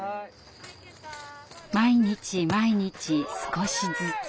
毎日毎日少しずつ。